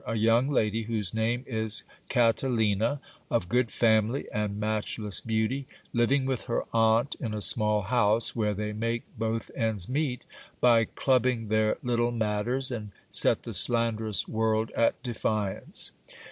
a young lady whose name is Catalina, of good family and match less beauty, living with her aunt in a small house, where they make both ends meet by clubbing their little matters, and set the slanderous world at defiance.